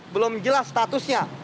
belum jelas statusnya